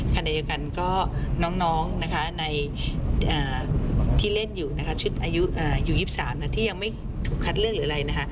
คันใดยังกันก็น้องที่เล่นอยู่ชุดอายุ๒๓ที่ยังไม่ถูกคัดเลือกหรืออะไร